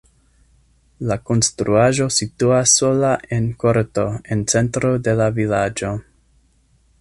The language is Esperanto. La konstruaĵo situas sola en korto en centro de la vilaĝo.